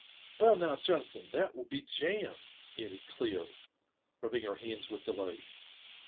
'< Well, now, Jona than, that will be jam!" added Clio, rubbing her hands with delight.